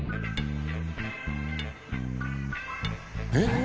えっ？